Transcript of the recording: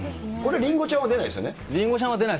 りんごちゃんは出ないですね。